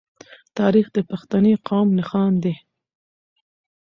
تاریخ د پښتني قام نښان دی.